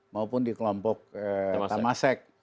maupun di kelompok tema seks